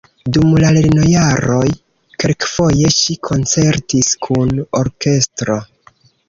Dum la lernojaroj kelkfoje ŝi koncertis kun orkestro.